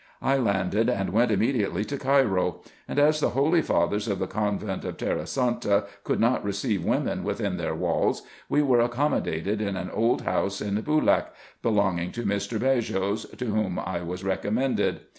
I landed, and went immediately to Cairo ; and as the holy fathers of the convent of Terrasanta could not receive women within their walls, we were accommodated in an old house in Boolak, belonging to Mr. Baghos, to whom I was recommended.